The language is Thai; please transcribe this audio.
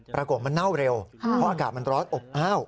ปรากฏมันเน่าเร็วเพราะอากาศมันร้อนอบอ้าว